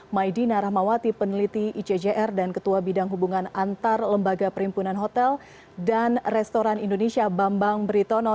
maidina rahmawati peneliti icjr dan ketua bidang hubungan antar lembaga perimpunan hotel dan restoran indonesia bambang britono